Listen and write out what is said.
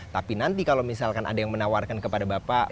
tapi nanti kalau misalkan ada yang menawarkan kepada bapak